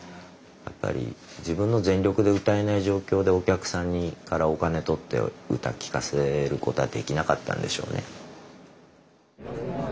やっぱり自分の全力で歌えない状況でお客さんからお金取って歌聴かせる事はできなかったんでしょうね。